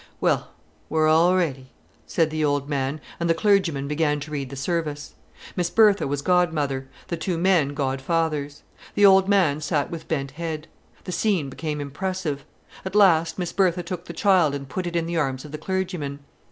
"Well, we're all ready," said the old man, and the clergyman began to read the service. Miss Bertha was godmother, the two men godfathers. The old man sat with bent head. The scene became impressive. At last Miss Bertha took the child and put it in the arms of the clergyman.